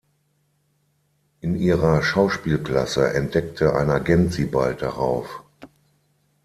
In ihrer Schauspielklasse entdeckte ein Agent sie bald darauf.